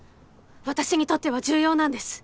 私にとっては重要なんです！